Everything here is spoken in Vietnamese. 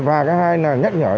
và cái hai là nhắc nhở